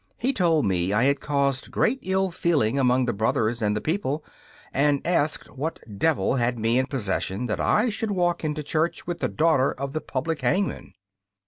He told me I had caused great ill feeling among the brothers and the people, and asked what devil had me in possession that I should walk into church with the daughter of the public hangman.